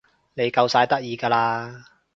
你夠晒得意㗎啦